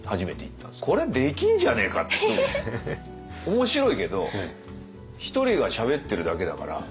面白いけど１人がしゃべってるだけだから。